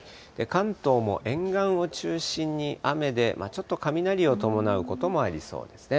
関東も沿岸を中心に雨で、ちょっと雷を伴うこともありそうですね。